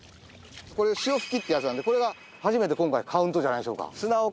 これシオフキってやつなんでこれが初めて今回カウントじゃないでしょうか。